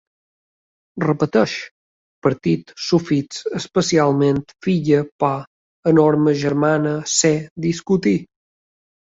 Repeteix: partit, sufix, especialment, figa, por, enorme, germana, acer, discutir